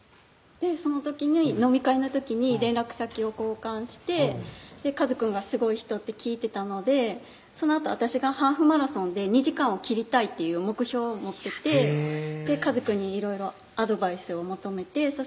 その時に飲み会の時に連絡先を交換してかずくんがスゴい人って聞いてたのでそのあと私がハーフマラソンで２時間を切りたいっていう目標を持っててかずくんにいろいろアドバイスを求めてそ